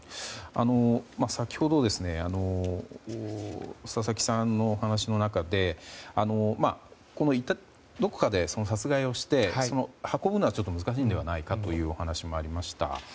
先ほど佐々木さんのお話の中でどこかで殺害をして運ぶのは難しいのではというお話もありました。